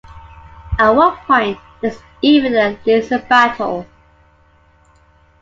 At one point there is even a laser battle.